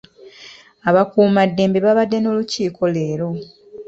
Abakuumaddembe babadde n'olukiiko leero.